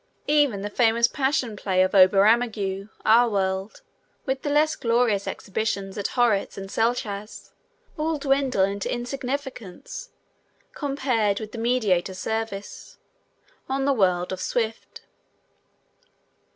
Even the famous Passion Play of Oberammergau (our world) with the less glorious exhibitions at Horitz and Selzach, all dwindle into insignificance compared with "The Mediator Service" on the world of Swift.